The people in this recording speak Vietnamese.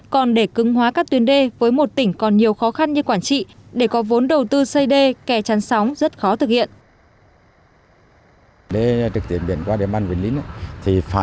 còn để cứng hóa các tuyến đê với một tỉnh còn nhiều khó khăn như quảng trị